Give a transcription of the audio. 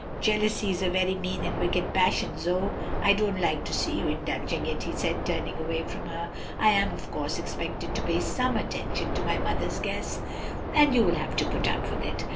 "Jealousy is a very mean and wicked passion, Zoe; I don't like to see you indulging it," he said, turning away from her. "I am, of course, expected to pay some attention to my mother's guests, and you will have to put up with it."